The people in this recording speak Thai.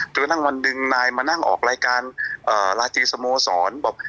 กระทั่งวันหนึ่งนายมานั่งออกรายการราชีสโมสรบอก